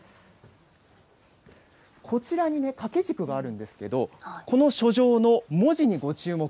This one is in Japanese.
こちらに掛け軸があるんですけど、この書状の文字にご注目。